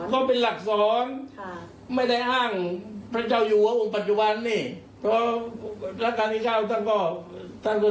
เป็นหลักสอนค่ะเป็นหลักสอน